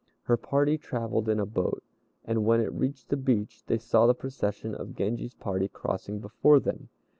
Her party travelled in a boat, and when it reached the beach they saw the procession of Genji's party crossing before them.